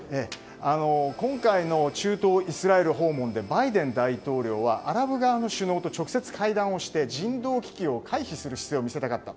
今回の中東イスラエル訪問でバイデン大統領はアラブ側の首脳と直接、会談をして人道危機を回避する姿勢を見せたかった。